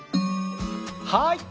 はい！